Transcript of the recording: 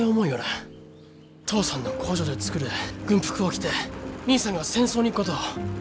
父さんの工場で作る軍服を着て兄さんが戦争に行くことを。